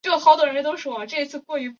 甚至逐渐再次长出彗尾。